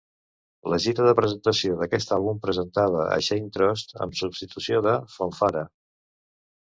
La gira de presentació d'aquest àlbum presentava a Shane Trost en substitució de Fonfara.